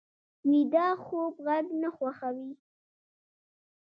ویده خوب غږ نه خوښوي